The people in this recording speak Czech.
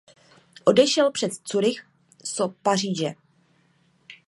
Odešel přes Curych so Paříže.